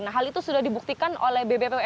nah hal itu sudah dibuktikan oleh bbpom surabaya